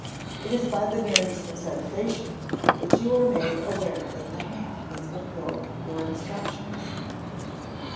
It is by the nerves of sensation that you are made aware that the hand has fulfilled your instructions.